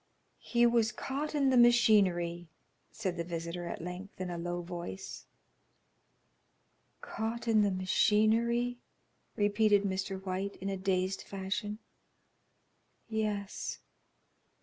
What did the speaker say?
"He was caught in the machinery," said the visitor at length in a low voice. "Caught in the machinery," repeated Mr. White, in a dazed fashion, "yes."